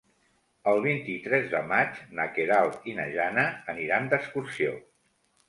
El vint-i-tres de maig na Queralt i na Jana aniran d'excursió.